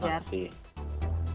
terima kasih pak fajar